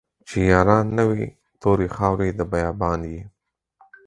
چې ياران نه وي توري خاوري د بيا بان يې